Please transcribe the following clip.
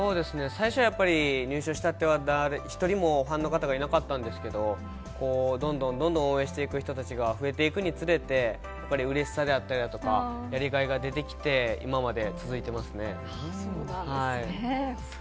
最初はやっぱり、入所したては一人もファンの方がいなかったんですけど、どんどんどんどん応援していく人たちが増えていくにつれて、やっぱりうれしさであったりだとか、やりがいが出てきて、今まで続いてますね。